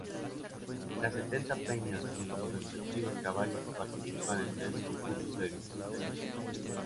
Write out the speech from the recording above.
Las sesenta peñas, con sus respectivos caballos, participan en tres concursos de distinta índole.